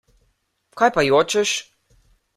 Kaj pa jočeš?